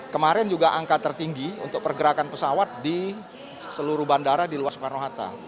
kemarin juga angka tertinggi untuk pergerakan pesawat di seluruh bandara di luar soekarno hatta